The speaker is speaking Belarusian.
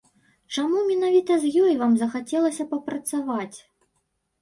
Чаму менавіта з ёй вам захацелася папрацаваць?